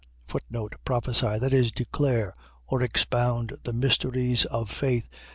Prophesy. . .That is, declare or expound the mysteries of faith.